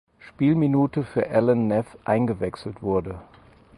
Spielminute für Alain Nef eingewechselt wurde.